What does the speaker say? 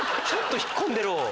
ちょっと引っ込んでろ。